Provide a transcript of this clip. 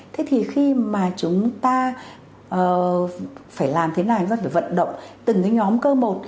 thế thì khi mà chúng ta phải làm thế này chúng ta phải vận động từng cái nhóm cơ một